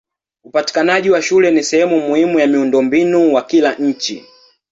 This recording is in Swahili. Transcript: Upatikanaji wa shule ni sehemu muhimu ya miundombinu wa kila nchi.